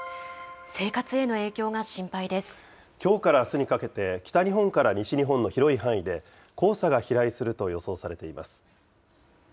きょうからあすにかけて、北日本から西日本の広い範囲で黄砂が飛来すると予想されています。